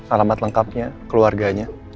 alamat lengkapnya keluarganya